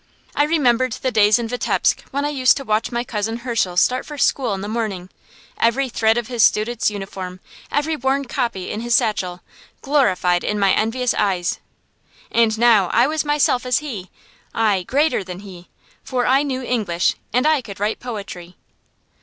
I remembered the days in Vitebsk when I used to watch my cousin Hirshel start for school in the morning, every thread of his student's uniform, every worn copybook in his satchel, glorified in my envious eyes. And now I was myself as he: aye, greater than he; for I knew English, and I could write poetry.